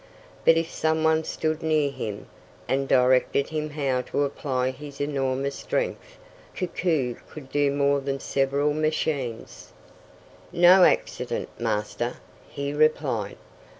But if some one stood near him, and directed him how to apply his enormous strength, Koku could do more than several machines. "No accident, Master," he replied.